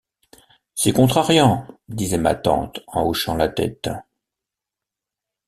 C’est contrariant, disait ma tante en hochant la tête.